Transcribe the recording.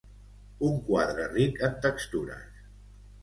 Un quadre ric en textures.